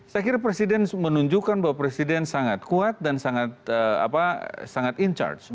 saya kira presiden menunjukkan bahwa presiden sangat kuat dan sangat in charge